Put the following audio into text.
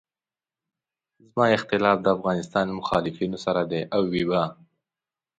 زما اختلاف د افغانستان له مخالفینو سره دی او وي به.